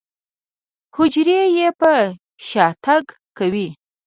حجرې يې په شاتګ کوي.